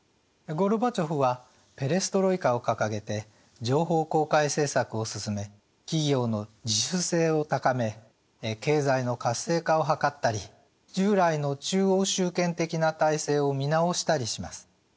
ゴルバチョフはペレストロイカを掲げて情報公開政策を進め企業の自主性を高め経済の活性化を図ったり従来の中央集権的な体制を見直したりします。